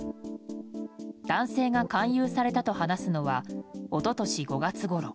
男性が勧誘されたと話すのは一昨年５月ごろ。